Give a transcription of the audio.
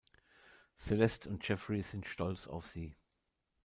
Celeste und Jeffrey sind stolz auf sie.